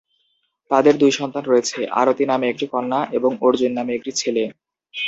তাঁদের দুটি সন্তান রয়েছে; আরতি নামে একটি কন্যা এবং অর্জুন নামে একটি ছেলে।